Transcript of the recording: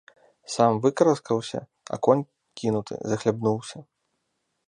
Сам выкараскаўся, а конь, кінуты, захлябнуўся.